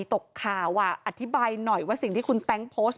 ตกข่าวอธิบายหน่อยว่าสิ่งที่คุณแต๊งโพสต์